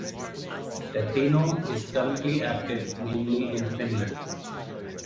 Tateno is currently active mainly in Finland.